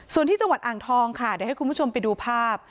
ส่วนที่จังหวัดอ่างทองค่ะเดี๋ยวให้คุณผู้ชมไปดูภาพ